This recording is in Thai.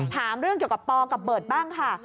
ถามเรื่องเกี่ยวกับปอกับเบิร์ตบ้างค่ะ